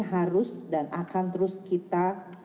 harus dan akan terus kita